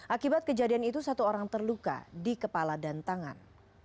akibat kejadian itu satu orang terluka di kepala dan tangan